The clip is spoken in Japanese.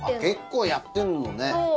結構やってんのね。